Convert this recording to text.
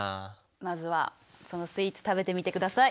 まずはそのスイーツ食べてみてください。